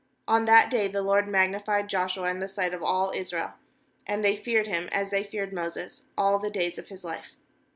140n that day the LORD magnified Joshua in the sight of all Israel; and they feared him, as they feared Moses, all the days of his life.